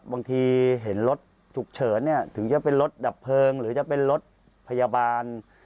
บางทีเห็นรถฉุกเฉินเนี่ยถึงจะเป็นรถดับเพลิงหรือจะเป็นรถพยาบาล